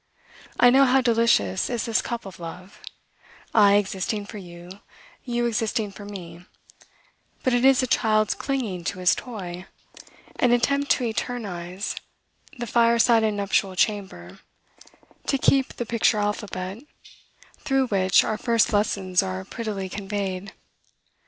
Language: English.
I know how delicious is this cup of love, I existing for you, you existing for me; but it is a child's clinging to his toy; an attempt to eternize the fireside and nuptial chamber; to keep the picture alphabet through which our first lessons are prettily conveyed.